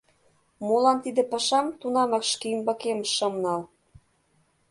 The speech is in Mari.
Молан тиде пашам тунамак шке ӱмбакем шым нал?